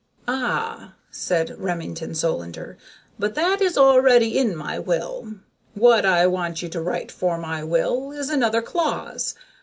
"Ah!" said Remington Solander. "But that is already in my will. What I want you to write for my will, is another clause.